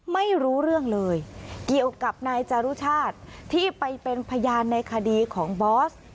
ไม่รู้เรื่องเลยเกี่ยวกับนายจารุชาติที่ไปเป็นพยานในคดีของบอส